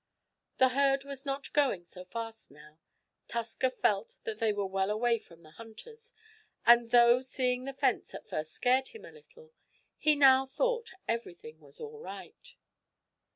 The herd was not going so fast now. Tusker felt that they were well away from the hunters, and, though seeing the fence at first scared him a little, he now thought everything was all right.